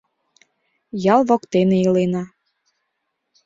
Ял воктене илена.